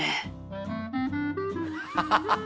「ハハハッ！